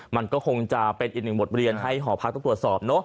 มันก็คงจะเป็นอีกหนึ่งบทเรียนให้หอพักต้องตรวจสอบเนอะ